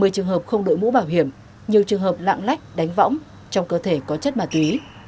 một mươi trường hợp không đội mũ bảo hiểm nhiều trường hợp lạng lách đánh võng trong cơ thể có chất ma túy